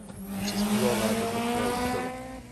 Přispíval na dobročinné účely.